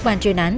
ban truyền án